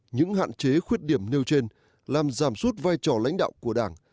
những hạn chế khuyết điểm nêu trên làm giảm suốt vai trò lãnh đạo của đảng